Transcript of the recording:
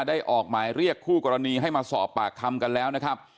ออกหมายเรียกคู่กรณีให้มาสอบปากคำกันแล้วนะครับ